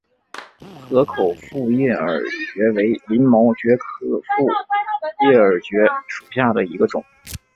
河口复叶耳蕨为鳞毛蕨科复叶耳蕨属下的一个种。